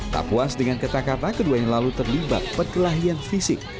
tak puas dengan kata kata keduanya lalu terlibat perkelahian fisik